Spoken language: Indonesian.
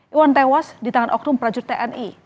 iwan tewas di tangan oknum prajurit tni